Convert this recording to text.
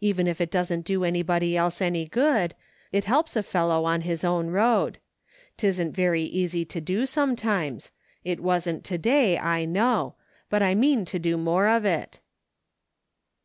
Even if it doesn't do anybody else any good, it helps a fellow on his own road. 'Tisn't very easy to do, sometimes ; it wasn't to day, I know ; but I mean to do more of it."